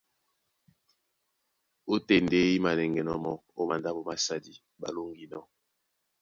Ótên ndé í mānɛŋgɛnɔ́ mɔ́ ó mandáɓo másadi ɓá lóŋginɔ́.